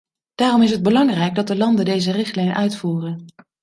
Daarom is het belangrijk dat de landen deze richtlijn uitvoeren.